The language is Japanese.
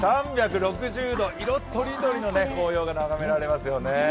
３６０度、色とりどりの紅葉が眺められますよね。